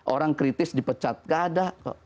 orang kritis dipecat nggak ada